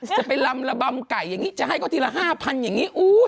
จะไปลำระบำไก่อย่างนี้จะให้เขาทีละ๕๐๐อย่างนี้